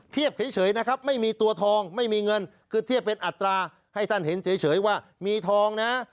เฉยนะครับไม่มีตัวทองไม่มีเงินคือเทียบเป็นอัตราให้ท่านเห็นเฉยว่ามีทองนะ